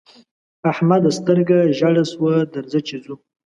احمده! سترګه ژړه شوه؛ درځه چې ځو.